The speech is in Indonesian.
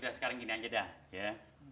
udah sekarang gini aja dah ya